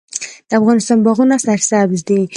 د افغانستان باغونه سرسبز دي